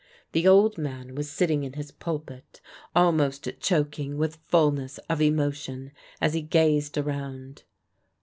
The old man was sitting in his pulpit, almost choking with fulness of emotion as he gazed around.